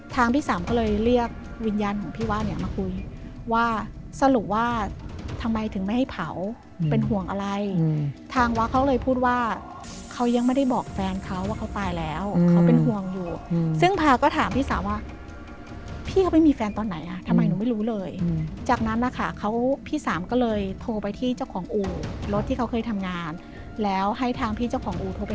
ทางพี่สามก็เลยเรียกวิญญาณของพี่ว่าเนี่ยมาคุยว่าสรุปว่าทำไมถึงไม่ให้เผาเป็นห่วงอะไรทางวัดเขาเลยพูดว่าเขายังไม่ได้บอกแฟนเขาว่าเขาตายแล้วเขาเป็นห่วงอยู่ซึ่งพาก็ถามพี่สามว่าพี่เขาไปมีแฟนตอนไหนอ่ะทำไมหนูไม่รู้เลยจากนั้นนะคะเขาพี่สามก็เลยโทรไปที่เจ้าของอู่รถที่เขาเคยทำงานแล้วให้ทางพี่เจ้าของอู่โทรไป